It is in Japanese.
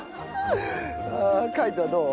海人はどう？